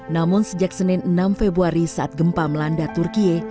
namun sejak senin enam februari saat gempa melanda turkiye